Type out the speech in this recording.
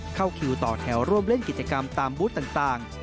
เข้าคิวต่อแถวร่วมเล่นกิจกรรมตามบูธต่าง